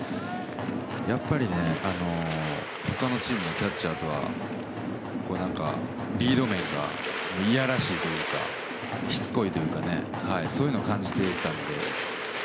やっぱり、他のチームのキャッチャーとは違ってリード面がいやらしいというかしつこいというかそういうのを感じていたので。